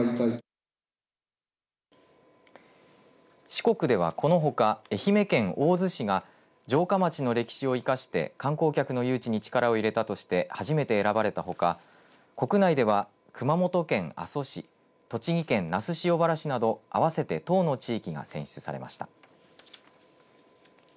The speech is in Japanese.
四国ではこのほか愛媛県大洲市が城下町の歴史を生かして観光客の誘致に力を入れたとして初めて選ばれたほか、国内では熊本県阿蘇市栃木県那須塩原市など合わせて１０の地域が選出されました。